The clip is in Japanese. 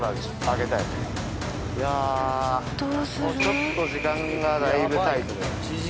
ちょっと時間がだいぶタイトです。